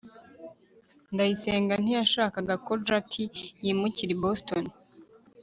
ndacyayisenga ntiyashakaga ko jaki yimukira i boston